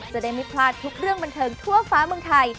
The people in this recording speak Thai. จะได้ไม่พลาดทุกเรื่องบันเทิงทั่วฟ้าเมืองไทย